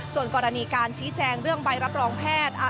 ส่วนกรณีการชี้แจงเรื่องใบรับรองแพทย์